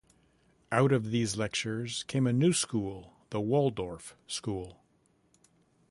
Out of these lectures came a new school, the Waldorf school.